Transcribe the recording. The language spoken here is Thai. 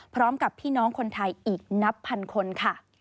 พร้อมกับพี่น้องคนไทยอีกนับพันคนค่ะ